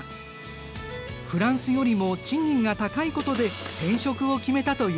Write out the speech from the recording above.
フランスよりも賃金が高いことで転職を決めたという。